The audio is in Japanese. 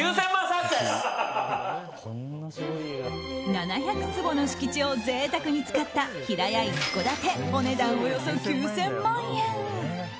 ７００坪の敷地を贅沢に使った平屋一戸建てお値段およそ９０００万円。